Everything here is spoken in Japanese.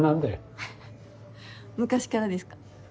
ハッ昔からですか？